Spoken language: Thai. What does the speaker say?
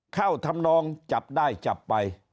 ทำนองจับได้จับไป